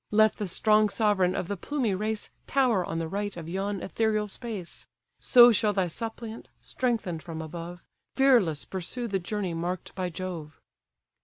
Let the strong sovereign of the plumy race Tower on the right of yon ethereal space; So shall thy suppliant, strengthen'd from above, Fearless pursue the journey mark'd by Jove."